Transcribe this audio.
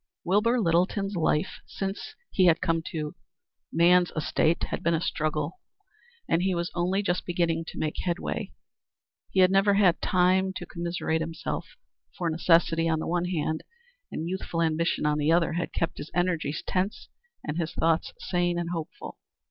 Wilbur Littleton's life since he had come to man's estate had been a struggle, and he was only just beginning to make headway. He had never had time to commiserate himself, for necessity on the one hand and youthful ambition on the other had kept his energies tense and his thoughts sane and hopeful.